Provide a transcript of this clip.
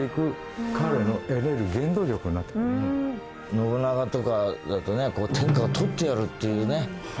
信長とかだとね天下を取ってやるっていうね